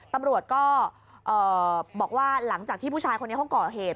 ตำรวจก็บอกว่าหลังจากที่ผู้ชายคนนี้เขาก่อเหตุ